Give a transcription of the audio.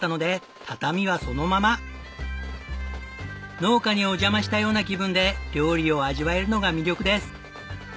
農家にお邪魔したような気分で料理を味わえるのが魅力です。